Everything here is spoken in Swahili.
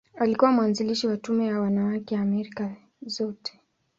Alikuwa mwanzilishi wa Tume ya Wanawake ya Amerika Zote.